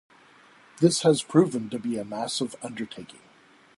This has proven to be a massive undertaking.